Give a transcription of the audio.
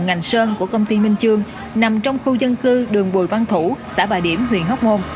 ngành sơn của công ty minh chương nằm trong khu dân cư đường bùi văn thủ xã bà điểm huyện hóc môn